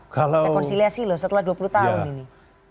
rekonsiliasi loh setelah dua puluh tahun ini